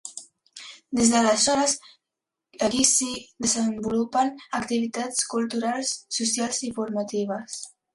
Des d'aleshores, aquí s'hi desenvolupen activitats culturals, socials i formatives.